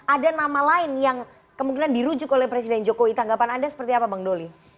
ada nama lain yang kemungkinan dirujuk oleh presiden jokowi tanggapan anda seperti apa bang doli